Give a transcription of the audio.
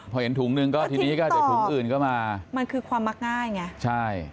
พอเห็นถุงหนึ่งก็ทิ้งต่อมันคือความมากง่ายไง